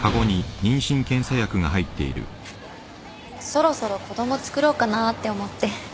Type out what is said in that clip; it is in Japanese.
そろそろ子供つくろうかなって思って。